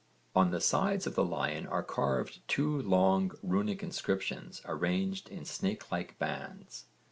On the sides of the lion are carved two long runic inscriptions arranged in snake like bands.